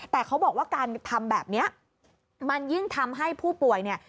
แต่เขาบอกว่าการทำแบบนี้มันยิ่งทำให้ผู้ป่วยเนี่ย